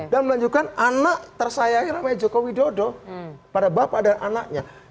dan melanjutkan anak tersayangi namanya jokowi dodo pada bapak dan anaknya